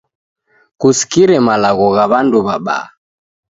Kusikireghe malagho gha w'andu w'abaa